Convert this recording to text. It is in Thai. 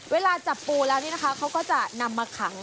เวลาจับปูแล้วนี่นะคะเขาก็จะนำมาขัง